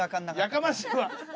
やかましいわ！